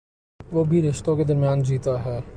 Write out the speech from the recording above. وہ بھی رشتوں کے درمیان جیتا ہے۔